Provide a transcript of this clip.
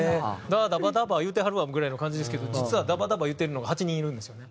「ダーダバダバ」言うてはるわぐらいの感じですけど実は「ダバダバ」言うてるのが８人いるんですよね。